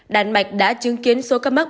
đan mạch đã chứng kiến số ca mắc